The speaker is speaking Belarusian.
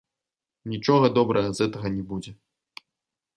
Нічога добрага з гэтага не будзе.